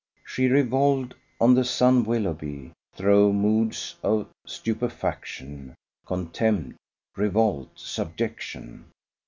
She revolved the "Son Willoughby" through moods of stupefaction, contempt, revolt, subjection.